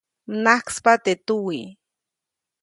Mnajkspa teʼ tuwiʼ.